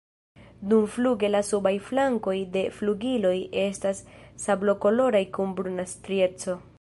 Dumfluge la subaj flankoj de flugiloj estas sablokoloraj kun bruna strieco.